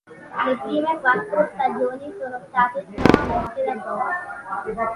Le prime quattro stagioni sono state trasmesse da Fox.